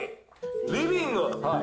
リビング。